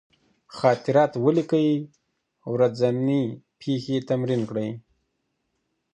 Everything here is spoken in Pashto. خاطرات ولیکئ، ورځني پېښې تمرین کړئ.